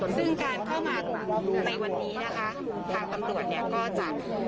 ซึ่งการเข้ามาในวันนี้นะคะทางตำรวจเนี่ยก็จะ